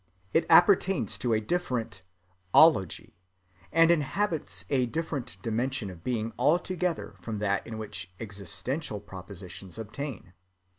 It appertains to a different "‐ology," and inhabits a different dimension of being altogether from that in which existential propositions obtain.